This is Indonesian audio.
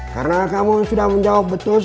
karena kamu sudah menjawab betul betul